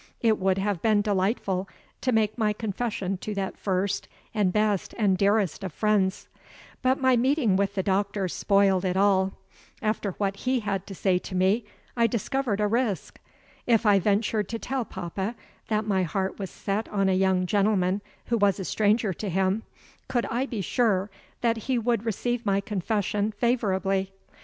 It would have been delightful to make my confession to that first and best and dearest of friends; but my meeting with the doctor spoiled it all. After what he had said to me, I discovered a risk. If I ventured to tell papa that my heart was set on a young gentleman who was a stranger to him, could I be sure that he would receive my confession favorably?